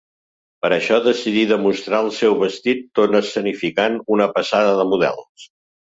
Per això, decidí de mostrar el seu vestit tot escenificant una passada de models.